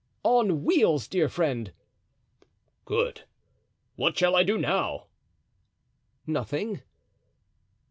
"On wheels, dear friend." "Good! What shall I do now?" "Nothing."